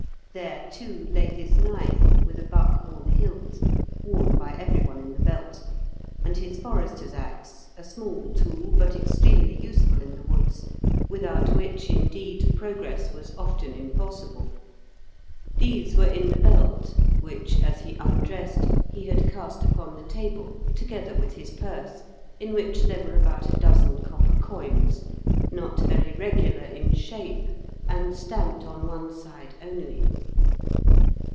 There, too, lay his knife, with a buckhorn hilt, worn by everyone in the belt, and his forester's axe, a small tool, but extremely useful in the woods, without which, indeed, progress was often impossible. These were in the belt, which, as he undressed, he had cast upon the table, together with his purse, in which were about a dozen copper coins, not very regular in shape, and stamped on one side only.